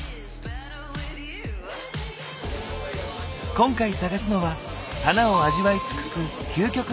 今回探すのは花を味わい尽くす究極のアレンジ。